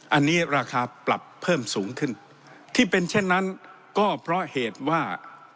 อันนี้ราคาปรับเพิ่มสูงขึ้นที่เป็นเช่นนั้นก็เพราะเหตุว่า